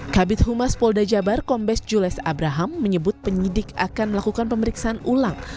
kabit humas polda jabar kombes jules abraham menyebut penyidik akan melakukan pemeriksaan ulang